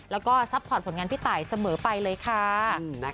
แล้วก็ซัพพอร์ตผลงานพี่ตายเสมอไปเลยค่ะ